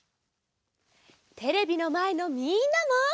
テレビのまえのみんなも。